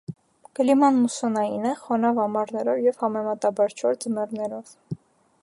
Կլիման մուսոնային է՝ խոնավ ամառներով և համեմատաբար չոր ձմեռներով։